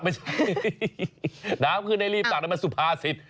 ไม่ใช่น้ำขึ้นให้รีบตักนั้นมันสุภาษิต